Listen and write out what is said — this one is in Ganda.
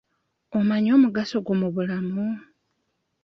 Omanyi omugaso gwo mu bulamu?